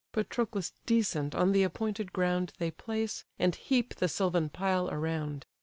Patroclus decent on the appointed ground They place, and heap the sylvan pile around.